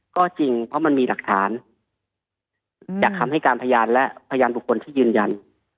ก็จริงเพราะมันมีหลักฐานจากคำให้การพยานและพยานบุคคลที่ยืนยัน